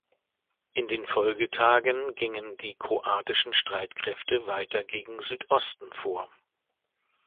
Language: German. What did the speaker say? In den Folgetagen gingen die kroatischen Streitkräfte weiter gegen Südosten vor.